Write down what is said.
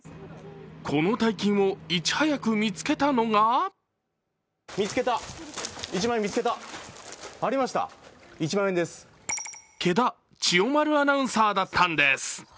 この大金をいち早く見つけたのが毛田千代丸アナウンサーだったんです。